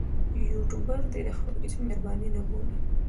یوټوبر دې د خلکو کیسې مهرباني نه بولي.